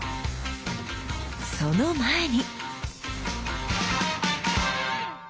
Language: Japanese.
その前に！